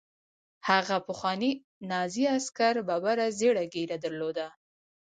هغه پخواني نازي عسکر ببره زیړه ږیره درلوده